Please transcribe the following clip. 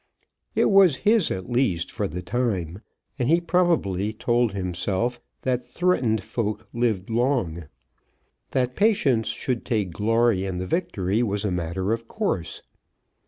It was his at least for the time, and he probably told himself that threatened folk lived long. That Patience should take glory in the victory was a matter of course.